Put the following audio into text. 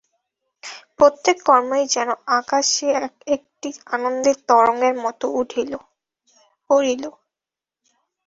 প্রত্যেক কর্মই যেন আকাশে এক-একটি আনন্দের তরঙ্গের মতো উঠিল পড়িল।